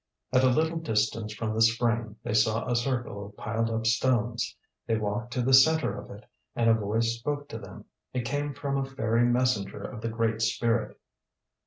At a little distance from the spring they saw a circle of piled up stones. They walked to the center of it, and a voice spoke to them. It came from a fairy messenger of the Great Spirit.